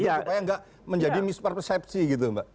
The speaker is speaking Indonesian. supaya tidak menjadi misperpersepsi gitu mbak